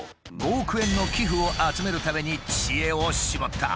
５億円の寄付を集めるために知恵を絞った。